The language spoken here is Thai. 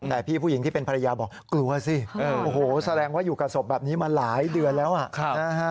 แต่ผู้หญิงที่เป็นภรรยาบอกหลายเดือนแล้วค่ะ